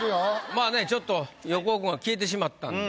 まぁねちょっと横尾君は消えてしまったんで。